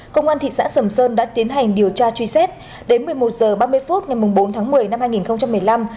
công an thị xã sầm sơn đã tiến hành điều tra truy xét đến một mươi một h ba mươi phút ngày bốn tháng một mươi năm hai nghìn một mươi năm